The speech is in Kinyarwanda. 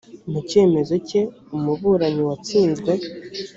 mu cyemezo cye umuburanyi watsinzwe